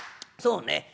そうね。